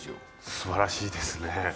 すばらしいですね。